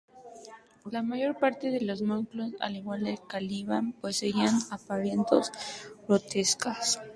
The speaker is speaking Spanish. La mayor parte de los Morlocks, al igual que Caliban, poseían apariencias grotescas.